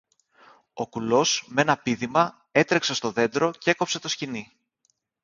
Ο κουλός μ' ένα πήδημα έτρεξε στο δέντρο κι έκοψε το σκοινί.